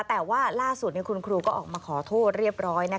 แต่ว่าล่าสุดคุณครูก็ออกมาขอโทษเรียบร้อย